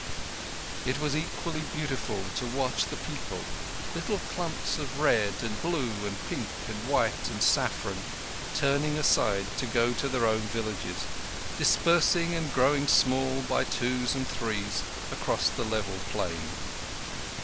It was equally beautiful to watch the people, little clumps of red and blue and pink and white and saffron, turning aside to go to their own villages, dispersing and growing small by twos and threes across the level plain.